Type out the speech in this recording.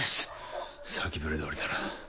先触れどおりだな。